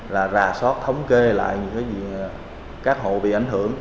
là rà sót thống kê lại những cái gì các hộ bị ảnh hưởng